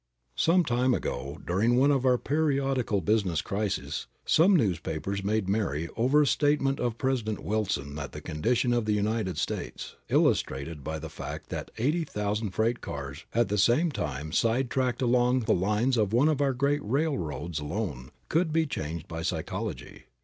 Some time ago, during one of our periodical business crises, some newspapers made merry over a statement of President Wilson that the condition of the United States, illustrated by the fact that eighty thousand freight cars were at the time side tracked along the lines of one of our great railroads alone, could be changed by psychology.